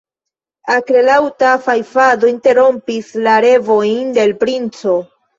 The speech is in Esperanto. Akrelaŭta fajfado interrompis la revojn de l' princo.